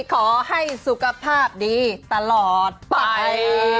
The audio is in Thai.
ขอให้สุขภาพดีตลอดไป